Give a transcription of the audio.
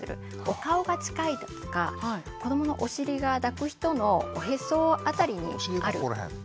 お顔が近いだとか子どものお尻が抱く人のおへそ辺りにあるとか。